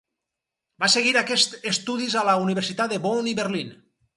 Va seguir aquests estudis a les universitats de Bonn i Berlín.